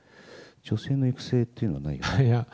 女性の育成というのはないよね。